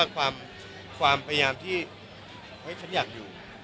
ความพยายามที่ฉันอยากอยู่